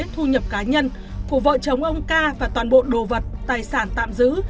thu nhập cá nhân của vợ chồng ông ca và toàn bộ đồ vật tài sản tạm giữ